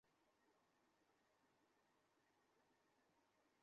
আমাকে নির্যাতনে করছে।